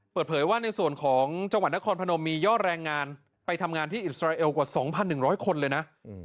เปิดเผยว่าในส่วนของจังหวัดนครพนมมียอดแรงงานไปทำงานที่อิสราเอลกว่า๒๑๐๐คนเลยนะ